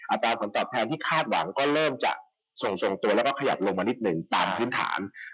ตราผลตอบแทนที่คาดหวังก็เริ่มจะส่งตัวแล้วก็ขยับลงมานิดหนึ่งตามพื้นฐาน